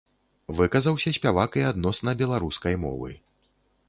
Выказаўся спявак і адносна беларускай мовы.